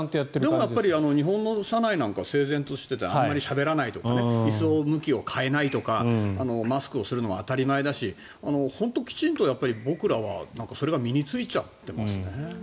でも日本の車内とか整然としていてあんまりしゃべらないとか椅子の向きを変えないとかマスクをするのは当たり前だし本当、きちんと僕らはそれが身に着いちゃってますね。